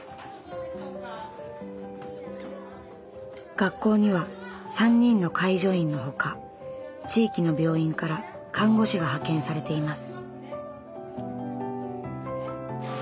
学校には３人の介助員のほか地域の病院から看護師が派遣されています。